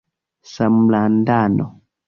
samlandano